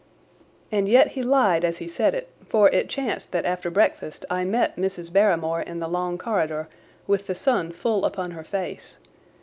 And yet he lied as he said it, for it chanced that after breakfast I met Mrs. Barrymore in the long corridor with the sun full upon her face.